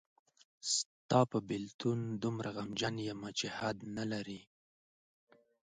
ستاپه بیلتون دومره غمجن یمه چی حد نلری.